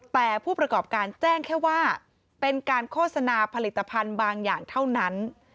แต่ผู้ประกอบการแจ้งแค่ว่าเป็นการโฆษณาผลิตภัณฑ์บางอย่างเท่านั้น